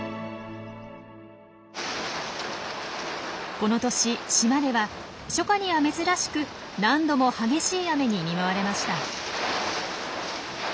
この年島では初夏には珍しく何度も激しい雨に見舞われました。